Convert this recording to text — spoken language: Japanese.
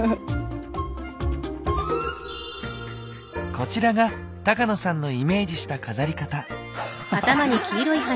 こちらが高野さんのイメージした飾り方。